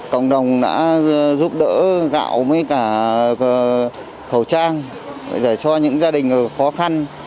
cộng đồng đã giúp đỡ gạo với cả khẩu trang để cho những gia đình khó khăn